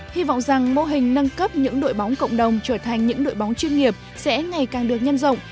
hy vọng rằng mô hình nâng cấp những đội bóng cộng đồng trở thành những đội bóng chuyên nghiệp sẽ ngày càng được nhân rộng